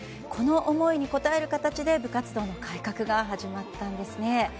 この思いに応える形で部活動の改革が始まったんです。